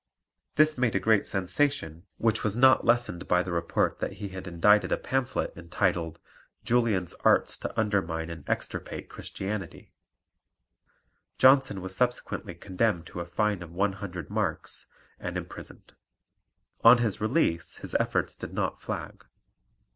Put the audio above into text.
This made a great sensation, which was not lessened by the report that he had indited a pamphlet entitled Julian's Arts to undermine and extirpate Christianity. Johnson was subsequently condemned to a fine of one hundred marks, and imprisoned. On his release his efforts did not flag.